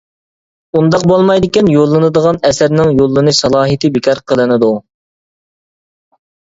ئۇنداق بولمايدىكەن يوللىنىدىغان ئەسەرنىڭ يوللىنىش سالاھىيىتى بىكار قىلىنىدۇ.